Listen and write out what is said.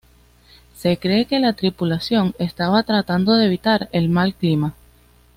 Se cree que la tripulación estaba tratando de evitar el mal clima.